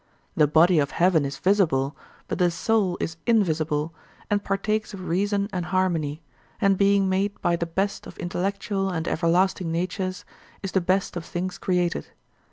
The body of heaven is visible, but the soul is invisible, and partakes of reason and harmony, and being made by the best of intellectual and everlasting natures, is the best of things created.